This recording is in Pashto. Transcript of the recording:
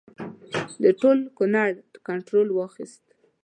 د ټول کنړ کنټرول واخیست.